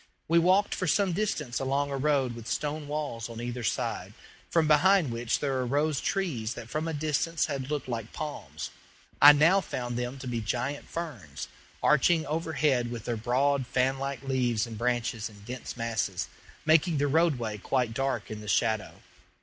We walked for some distance along a road with stone walls on either side, from behind which there arose trees that from a distance had looked like palms. I now found them to be giant ferns, arching overhead with their broad fanlike leaves and branches in dense masses, making the roadway quite dark in the shadow.